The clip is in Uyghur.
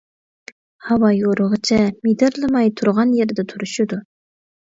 ھاۋا يورۇغۇچە مىدىرلىماي تۇرغان يېرىدە تۇرۇشىدۇ.